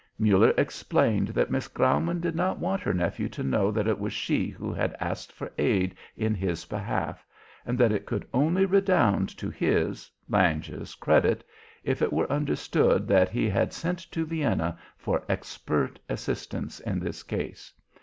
Muller explained that Miss Graumann did not want her nephew to know that it was she who had asked for aid in his behalf, and that it could only redound to his, Lange's, credit if it were understood that he had sent to Vienna for expert assistance in this case.